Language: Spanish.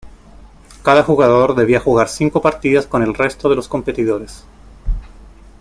Cada jugador debía jugar cinco partidas con el resto de los competidores.